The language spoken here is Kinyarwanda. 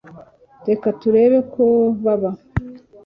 reka turebe ko baza